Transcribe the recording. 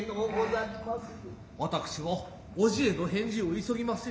私はおじへの返事を急ぎます